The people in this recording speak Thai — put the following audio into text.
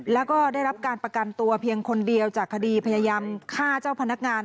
แล้วก็ได้รับการประกันตัวเพียงคนเดียวจากคดีพยายามฆ่าเจ้าพนักงาน